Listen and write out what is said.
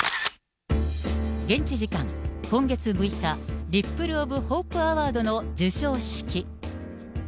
現地時間今月６日、リップル・オブ・ホープ・アワードの授賞式。